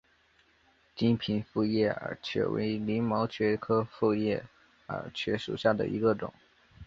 金平复叶耳蕨为鳞毛蕨科复叶耳蕨属下的一个种。